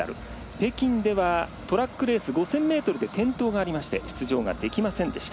北京では、トラックレース５０００ｍで転倒がありまして出場ができませんでした。